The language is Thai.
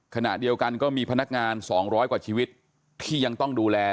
ขณะเดียวกันก็มีพนักงาน๒๐๐กว่าชีวิตที่ยังต้องดูแล